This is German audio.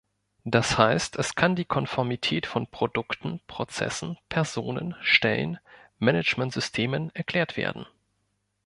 Das heißt, es kann die Konformität von Produkten, Prozessen, Personen, Stellen, Managementsystemen erklärt werden.